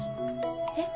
え？